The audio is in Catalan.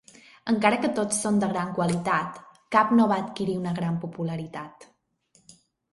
Encara que tots són de gran qualitat, cap no va adquirir una gran popularitat.